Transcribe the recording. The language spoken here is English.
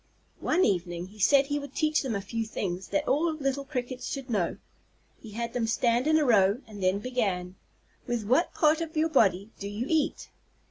One evening he said he would teach them a few things that all little Crickets should know. He had them stand in a row, and then began: "With what part of your body do you eat?"